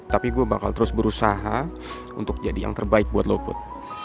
tapi gue bakal terus berusaha untuk jadi yang terbaik buat lo put